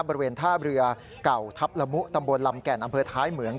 บริเวณท่าเรือเก่าทัพละมุตำบลลำแก่นอำเภอท้ายเหมือง